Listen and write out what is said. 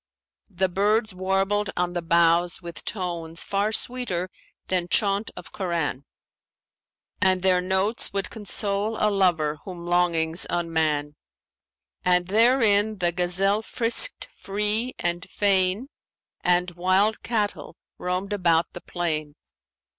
The birds warbled on the boughs with tones far sweeter than chaunt of Koran and their notes would console a lover whom longings unman. And therein the gazelle frisked free and fain and wild cattle roamed about the plain.